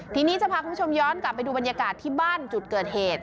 ทีนี้จะพาคุณผู้ชมย้อนกลับไปดูบรรยากาศที่บ้านจุดเกิดเหตุ